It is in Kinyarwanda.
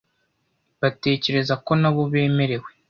batekereza ko nabo bemerewe.